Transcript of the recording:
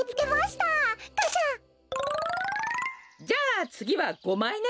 じゃあつぎは５まいね。